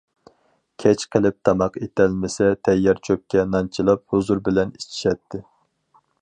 كەچ قېلىپ تاماق ئېتەلمىسە تەييار چۆپكە نان چىلاپ ھۇزۇر بىلەن ئىچىشەتتى.